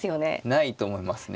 ないと思いますね。